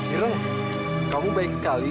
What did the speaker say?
iroh kamu baik sekali ya